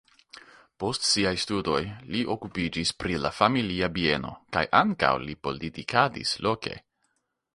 Post siaj studoj li okupiĝis pri la familia bieno kaj ankaŭ li politikadis loke.